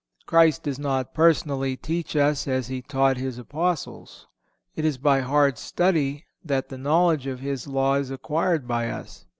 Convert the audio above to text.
Christ does not personally teach us as He taught His Apostles. It is by hard study that the knowledge of His law is acquired by us.